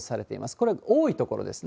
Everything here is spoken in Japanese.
これは多い所ですね。